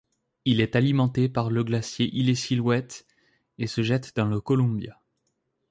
Il est alimenté par le glacier Illecillewaet et se jette dans le Columbia.